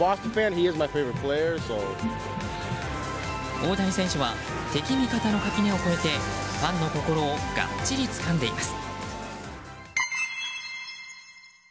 大谷選手は敵味方の垣根を越えてファンの心をがっちりつかんでいます。